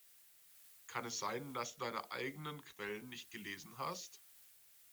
Kann es sein, dass du deine eigenen Quellen nicht gelesen hast?